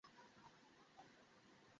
টায়লারের পার্টিতে পেয়েছিলাম।